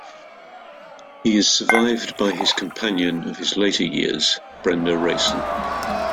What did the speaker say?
He is survived by his companion of his later years, Brenda Rayson.